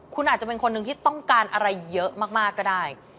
คุณอาจจะเป็นคนหนึ่งที่ต้องการอะไรเยอะมากก็ได้